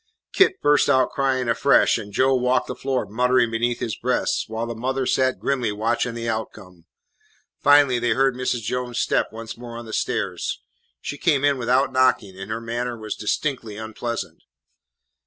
Kit burst out crying afresh, and Joe walked the floor muttering beneath his breath, while the mother sat grimly watching the outcome. Finally they heard Mrs. Jones' step once more on the stairs. She came in without knocking, and her manner was distinctly unpleasant.